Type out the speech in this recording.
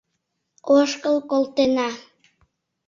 Ошкыл колтена.